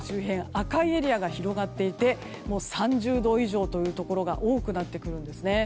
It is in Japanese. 赤いエリアが広がっていて３０度以上というところが多くなってくるんです。